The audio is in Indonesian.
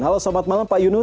halo selamat malam pak yunus